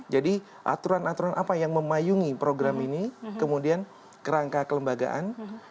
jadi aturan aturan apa yang memayungi program ini kemudian kerangka kelembagaan